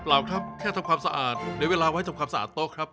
ครับแค่ทำความสะอาดหรือเวลาไว้ทำความสะอาดโต๊ะครับ